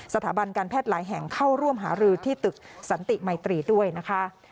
สถาบันการแพทย์หลายแห่งเข้าร่วมหารือที่ตึกสันติมัยตรีด้วยนะคะ